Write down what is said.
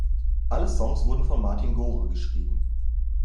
Alle Songs wurden von Martin Gore geschrieben.